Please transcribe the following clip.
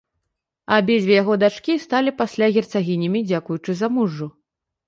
А абедзве яго дачкі сталі пасля герцагінямі дзякуючы замужжу.